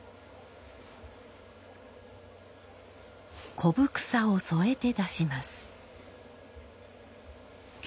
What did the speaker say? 古帛紗を添えて出します。